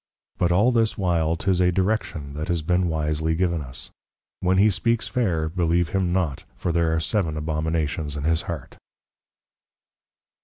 But all this while, 'tis a Direction that has been wisely given us; _When he speaks fair, Believe him not, for there are seven Abominations in his Heart.